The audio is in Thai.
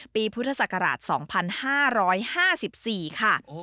ปีพุทธศักราช๒๕๕๔ค่ะ